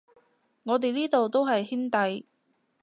我哋呢度都係兄弟